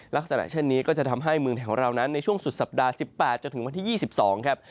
ลักษณะเช่นนี้ก็จะทำให้เมืองไทยของเรานั้นในช่วงสุดสัปดาห์๑๘จนถึงวันที่๒๒ครับ